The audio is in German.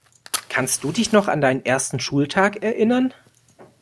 Kannst du dich noch an deinen ersten Schultag erinnern?